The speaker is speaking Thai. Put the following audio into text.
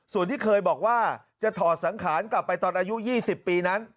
ส่วนที่เคยบอกว่าจะถอดสังขารกลับไปตอนอายุ๒๐ปีนั้น